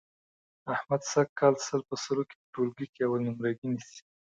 احمد سږ کال سل په سلو کې په ټولګي کې اول نمرګي نیسي.